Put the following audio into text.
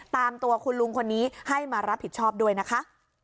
ตามตัวคุณลุงคนนี้ให้มารับผิดชอบด้วยนะคะ